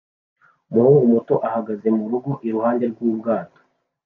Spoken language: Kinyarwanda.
Umuhungu muto ahagaze murungano iruhande rw'ubwato